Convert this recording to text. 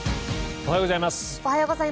おはようございます。